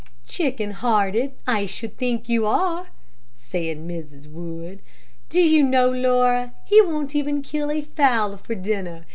"Chicken hearted I should think you are," said Mrs. Wood. "Do you know, Laura, he won't even kill a fowl for dinner.